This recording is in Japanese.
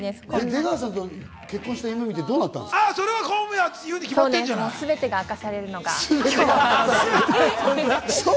出川さんと結婚した夢を見てどうなったんですか？